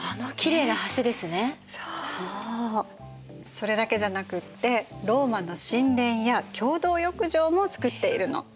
それだけじゃなくってローマの神殿や共同浴場もつくっているの。